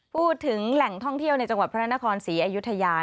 พูดถึงแหล่งท่องเที่ยวในจังหวัดพระนครศรีอยุธยา